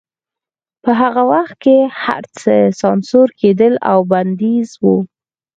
په هغه وخت کې هرڅه سانسور کېدل او بندیز و